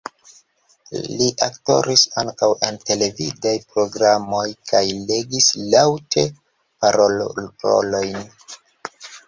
Li aktoris ankaŭ en televidaj programoj kaj legis laŭte parolrolojn.